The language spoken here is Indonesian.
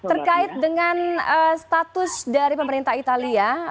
terkait dengan status dari pemerintah italia